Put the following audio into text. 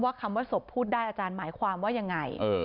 คำว่าศพพูดได้อาจารย์หมายความว่ายังไง